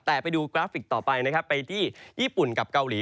แต่ไปดูกราฟิกต่อไปนะครับไปที่ญี่ปุ่นกับเกาหลี